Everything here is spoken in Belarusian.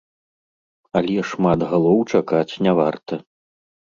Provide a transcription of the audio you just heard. Але шмат галоў чакаць не варта.